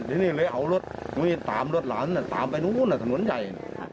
ทีนี้เลยเอารถมีดตามรถหลานตามไปนู้นถนนใหญ่